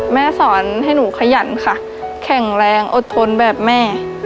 แม่สอนให้หนูขยันค่ะแข็งแรงอดทนแบบแม่